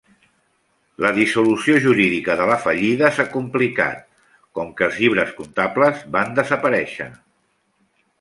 La dissolució jurídica de la fallida s'ha complicat, com que els llibres comptables van desaparèixer.